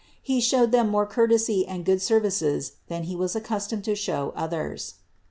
He showed them more courtesy and good services than he was accustomed to show to others.